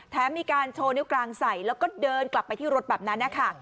มีการโชว์นิ้วกลางใส่แล้วก็เดินกลับไปที่รถแบบนั้นนะคะ